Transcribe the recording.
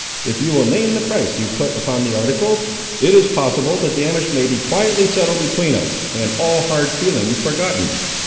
If you will name the price you put upon the articles, it is possible the damage may be quietly settled between us, and all hard feelings forgotten.